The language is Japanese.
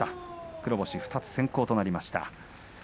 黒星２つ先行となりました。